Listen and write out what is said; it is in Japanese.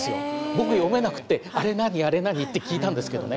僕読めなくて「あれ何？あれ何？」って聞いたんですけどね。